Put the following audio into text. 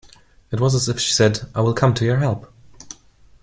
It was as if she said, "I will come to your help."